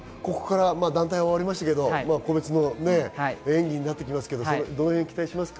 団体は終わりましたが、個別の演技になってきますが、どう期待しますか？